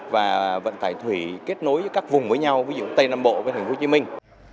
và vận tải thủy kết nối với các vùng với nhau ví dụ tây nam bộ với thành phố hồ chí minh